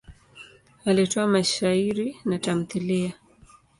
Alitoa mashairi na tamthiliya.